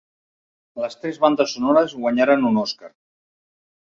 Les tres bandes sonores guanyaren un Oscar.